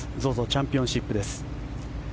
ＺＯＺＯチャンピオンシップです。